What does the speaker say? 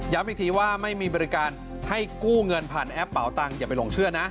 อีกทีว่าไม่มีบริการให้กู้เงินผ่านแอปเป่าตังอย่าไปหลงเชื่อนะ